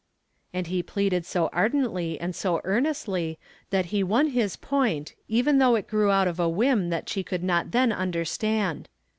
And he pleaded so ardently and so earnestly that he won his point even though it grew out of a whim that she could not then understand.